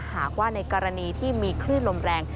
หากว่าในกรณีที่มีคลื่นลมแรง